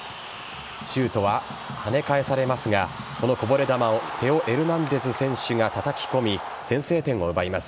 シュートは跳ね返されますがこのこぼれ球をテオエルナンデズ選手がたたき込み先制点を奪います。